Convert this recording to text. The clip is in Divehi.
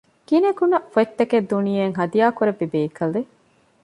ގިނަގުނަ ފޮތްތަކެއް ދުނިޔެއަށް ހަދިޔާކުރެއްވި ބޭކަލެއް